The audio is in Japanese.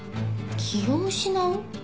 気を失う？